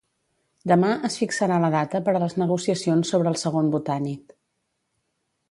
Demà es fixarà la data per a les negociacions sobre el segon Botànic.